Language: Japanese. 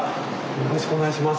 よろしくお願いします。